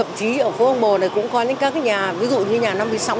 vì vậy vào những ngày mưa bão